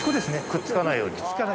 くっつかないように。